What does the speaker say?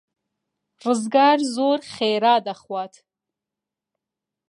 ڕزگار زۆر خێرا دەخوات.